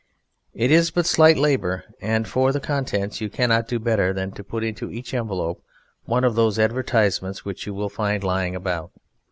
It is but slight labour, and for the contents you cannot do better than put into each envelope one of those advertisements which you will find lying about.